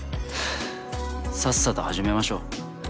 さっさと始めましょう。